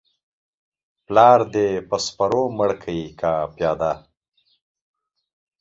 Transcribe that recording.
پلار دي سپرو مړ کى که پل؟